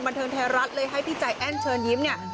บันเทิงไทยรัฐเลยให้พี่ใจแอ้นเชิญยิ้มเนี่ย